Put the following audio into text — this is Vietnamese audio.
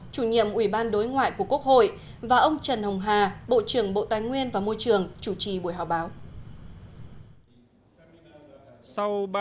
chủ nhiệm ủy ban đối ngoại của quốc hội và ông trần hồng hà bộ trưởng bộ tài nguyên và môi trường chủ trì buổi họp báo